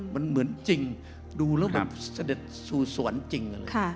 มันเหมือนจริงดูแล้วสะเด็ดสู่สวรรค์จริง